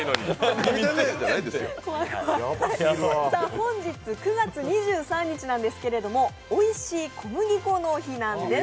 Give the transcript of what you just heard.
本日９月２３日なんですがおいしい小麦粉の日なんです。